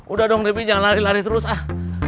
udah dong debi jangan lari lari terus ah